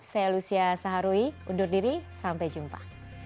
saya lucia saharuy undur diri sampai jumpa